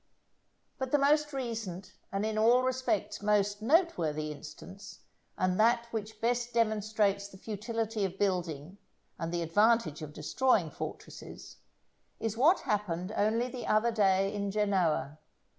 But the most recent, and in all respects most noteworthy instance, and that which best demonstrates the futility of building, and the advantage of destroying fortresses, is what happened only the other day in Genoa.